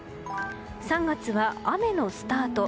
３月は雨のスタート。